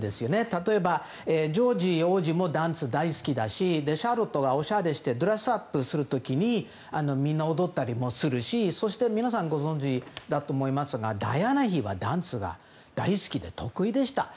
例えばジョージ王子もダンス大好きだしシャーロットがおしゃれをしてドレスアップする時にみんな踊ったりもするしそして皆さんご存じだと思いますがダイアナ妃はダンスが大好きで、得意でした。